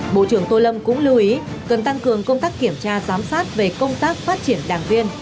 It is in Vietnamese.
bộ trưởng tô lâm cũng lưu ý cần tăng cường công tác kiểm tra giám sát về công tác phát triển đảng viên